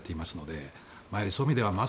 そういう意味ではＧ７